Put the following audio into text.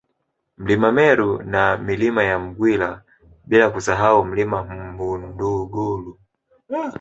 Mlima Meru na Milima ya Mgwila bila kusahau Mlima Mhundugulu